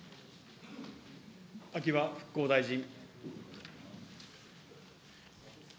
秋葉復興大臣。